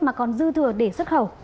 mà còn dư thừa để xuất khẩu